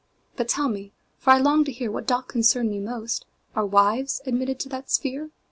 "But tell me, for I long to hearWhat doth concern me most, Are wives admitted to that sphere?"